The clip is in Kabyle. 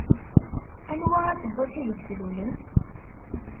Anwa aseggas ideg tlulemt?